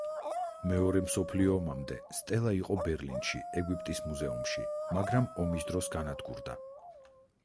მეორე მსოფლიო ომამდე სტელა იყო ბერლინში ეგვიპტის მუზეუმში, მაგრამ ომის დროს განადგურდა.